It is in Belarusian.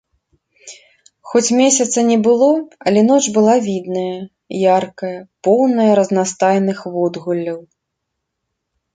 Хоць месяца не было, але ноч была відная, яркая і поўная разнастайных водгулляў.